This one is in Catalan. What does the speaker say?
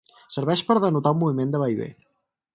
Serveix per denotar un moviment de vaivé.